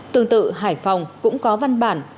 tương tự hải phòng cũng có văn bản